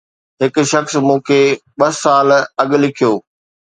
هڪ شخص مون کي ٻه سال اڳ لکيو